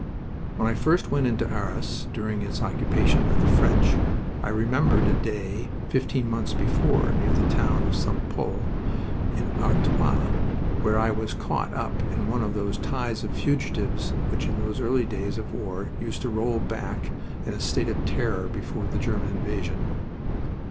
When I first went into Arras during its occupation by the French I remembered a day, fifteen months before, near the town of St. Pol in Artois, where I was caught up in one of those tides of fugitives which in those early days of war used to roll back in a state of terror before the German invasion.